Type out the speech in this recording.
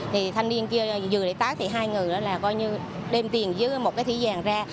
thì thanh niên kia vừa để tới thì hai người đó là coi như đem tiền dưới một cái thỉ vàng ra